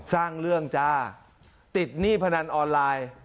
สร้างเรื่องจ้าติดหนี้พนันออนไลน์